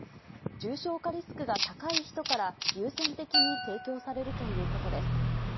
重症化リスクが高い人から、優先的に提供されるということです。